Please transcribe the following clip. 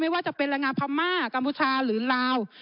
ว่าจะเป็นแรงงานพม่ากัมพูชาหรือลาว